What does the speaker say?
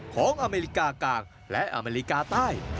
อเมริกากลางและอเมริกาใต้